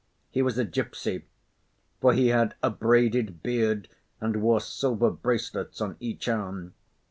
He was a gipsy for he had a braided beard and wore silver bracelets on each arm.